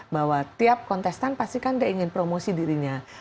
bahwa tiap kontestan pasti kan dia ingin promosi dirinya